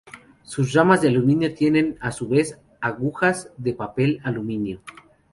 Las ramas de aluminio tienen a su vez "agujas" de papel de aluminio.